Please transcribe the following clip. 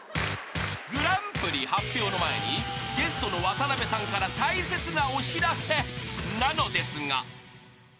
［グランプリ発表の前にゲストの渡邊さんから大切なお知らせなのですが］